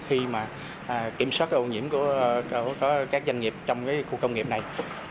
khi kiểm soát ô nhiễm của các doanh nghiệp trong khu công nghiệp này